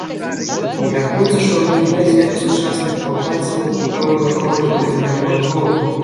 Мяркуецца, што ў этнагенезе сучасных алтайцаў пэўную ролю адыгралі манголы.